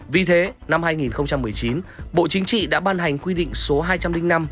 vì thế năm hai nghìn một mươi chín bộ chính trị đã ban hành quy định số hai trăm linh năm